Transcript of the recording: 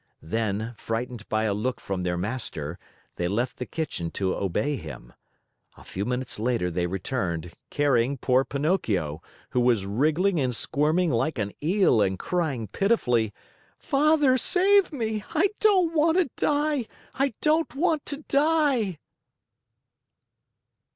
Then, frightened by a look from their master, they left the kitchen to obey him. A few minutes later they returned, carrying poor Pinocchio, who was wriggling and squirming like an eel and crying pitifully: "Father, save me! I don't want to die! I don't want to die!"